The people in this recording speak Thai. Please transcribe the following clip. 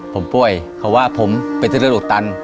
ผมป้วยเค้าว่าผมเป็นที่เลือดอุดตัน